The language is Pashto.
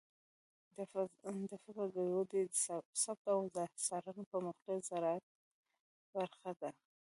د فصل د ودې ثبت او څارنه د پرمختللي زراعت برخه ده.